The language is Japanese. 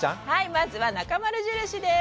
まずは、「なかまる印」です。